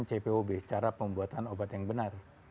cpob cara pembuatan obat yang benar